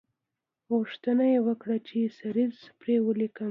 غوښتنه یې وکړه چې سریزه پر ولیکم.